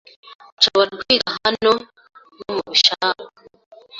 Nshobora kwiga hano nimubishaka